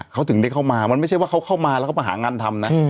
เขาถึงได้เข้ามามันไม่ใช่ว่าเขาเข้ามาแล้วก็มาหางานทำนะ